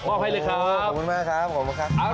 มอบให้เลยครับโอ้โฮขอบคุณมากครับ